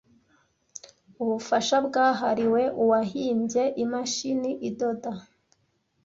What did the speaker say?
Ubufasha bwahariwe uwahimbye imashini idoda -